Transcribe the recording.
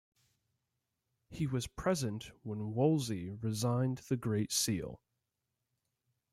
He was present when Wolsey resigned the Great Seal.